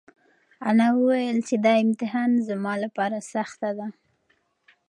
انا وویل چې دا امتحان زما لپاره سخته ده.